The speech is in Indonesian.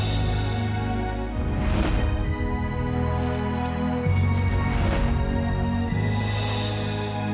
mas aku mau ke mobil